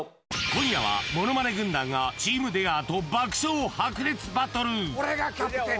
今夜は、ものまね軍団がチーム出川と爆笑白熱バトル。